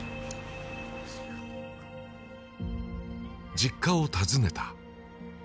実家を訪ねた。